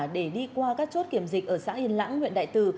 để đi qua các chốt kiểm dịch ở xã yên lãng huyện đại từ